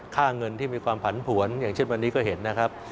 เงินที่มีความผันผวนอย่างเช่นวันนี้ก็เห็นนะครับ